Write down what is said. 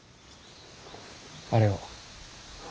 あれを。